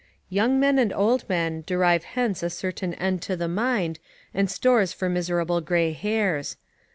["Young men and old men, derive hence a certain end to the mind, and stores for miserable grey hairs."